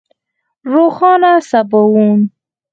روښانه سباوون